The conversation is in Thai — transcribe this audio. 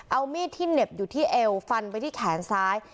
เอามีดที่เหน็บอยู่ที่เอวฟันไปที่แขนซ้าย